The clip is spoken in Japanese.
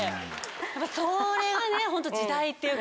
やっぱそれはねホント時代っていうか。